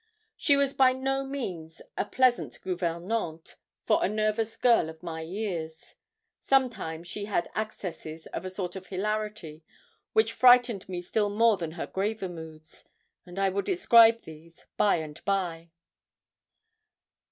She was by no means a pleasant gouvernante for a nervous girl of my years. Sometimes she had accesses of a sort of hilarity which frightened me still more than her graver moods, and I will describe these by and by.